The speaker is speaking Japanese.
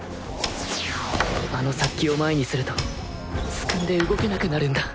あの殺気を前にするとすくんで動けなくなるんだ